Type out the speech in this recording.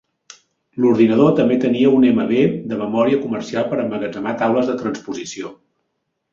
L"ordinador també tenia un MB de memòria comercial per emmagatzemar taules de transposició.